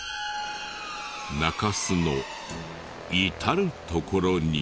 中州の至る所に。